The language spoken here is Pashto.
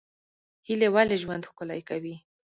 هیلې ولې ژوند ښکلی کوي؟